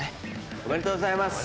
おめでとうございます。